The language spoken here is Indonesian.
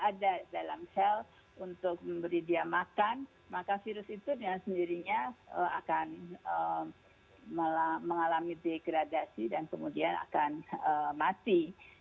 ada dalam sel untuk memberi dia makan maka virus itu dengan sendirinya akan mengalami degradasi dan kemudian akan mati